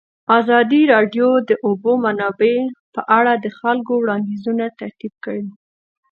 ازادي راډیو د د اوبو منابع په اړه د خلکو وړاندیزونه ترتیب کړي.